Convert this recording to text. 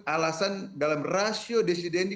alasan dalam rasio desideni